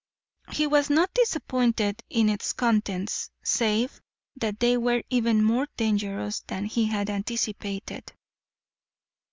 He was not disappointed in its contents, save that they were even more dangerous than he had anticipated.